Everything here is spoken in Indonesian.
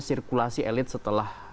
sirkulasi elit setelah